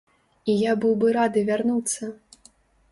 І я быў бы рады вярнуцца.